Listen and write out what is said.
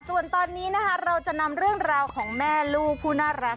ส่วนตอนนี้นะคะเราจะนำเรื่องราวของแม่ลูกผู้น่ารัก